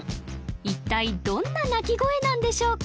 一体どんな鳴き声なんでしょうか？